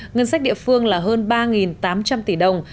ngân sách địa phương là hơn ba tám trăm linh tỷ đồng